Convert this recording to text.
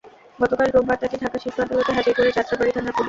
গতকাল রোববার তাকে ঢাকার শিশু আদালতে হাজির করে যাত্রাবাড়ী থানার পুলিশ।